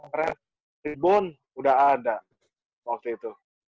tribune udah ada waktu itu